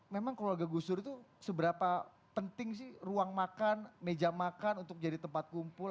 memang keluarga gus dur itu seberapa penting sih ruang makan meja makan untuk jadi tempat kumpul